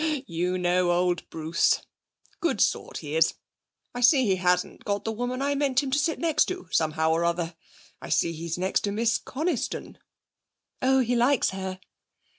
You know old Bruce! Good sort he is. I see he hasn't got the woman I meant him to sit next to, somehow or other. I see he's next to Miss Coniston.' 'Oh, he likes her.'